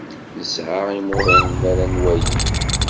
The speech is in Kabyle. Nesɛa imuḍinen ara nwali.